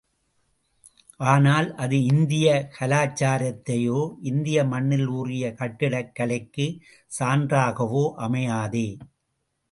ஆனால், அது இந்திய கலாச்சாரத்தையோ, இந்திய மண்ணில் ஊறிய கட்டிடக் கலைக்கு சான்றாகவோ அமையாதே.